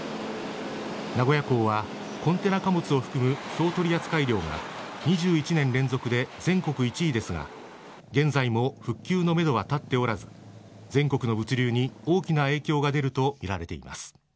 名古屋港はコンテナ貨物を含む総取扱量が２１年連続で全国１位ですが現在も復旧のめどは立っておらず全国の物流に大きな影響が出るとみられています。